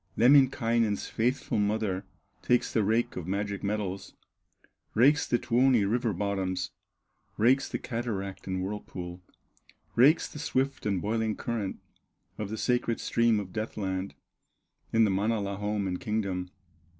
Lemminkainen's faithful mother Takes the rake of magic metals, Rakes the Tuoni river bottoms, Rakes the cataract and whirlpool, Rakes the swift and boiling current Of the sacred stream of death land, In the Manala home and kingdom.